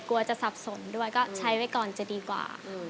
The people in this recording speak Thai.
กลัวจะสับสนด้วยก็ใช้ไว้ก่อนจะดีกว่า